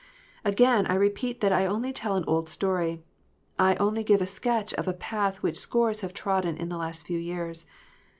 Again I repeat that I only tell an old story : I only give a sketch of a path which scores have trodden in the last few years.